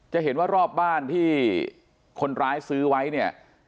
จะเห็นว่ารอบบ้านที่คนร้ายซื้อไว้เนี่ย